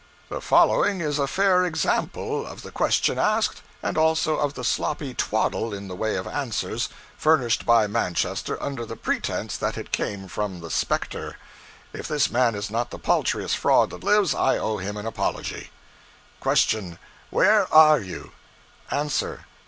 The following is a fair example of the questions asked, and also of the sloppy twaddle in the way of answers, furnished by Manchester under the pretense that it came from the specter. If this man is not the paltriest fraud that lives, I owe him an apology QUESTION. Where are you? ANSWER.